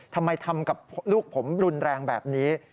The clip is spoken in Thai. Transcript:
ทำไมทำกับลูกผมรุนแรงแบบนี้